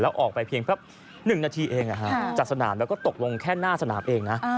ออกไปเพียงแค่๑นาทีเองจากสนามแล้วก็ตกลงแค่หน้าสนามเองนะ